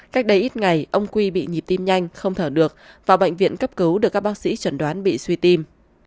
cách đây ít ngày ông quy bị nhịp tim nhanh không thở được vào bệnh viện cấp cứu được các bác sĩ chẩn đoán bị suy tim